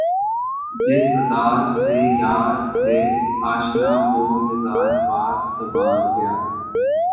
جس ادا سے یار تھے آشنا وہ مزاج باد صبا گیا